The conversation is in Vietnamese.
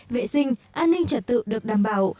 vệ sinh an ninh trật tự được đảm bảo